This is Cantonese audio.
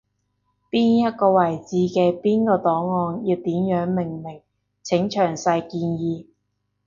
邊一個位置嘅邊個檔案要點樣命名，請詳細建議